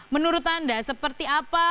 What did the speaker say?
menurut anda seperti apa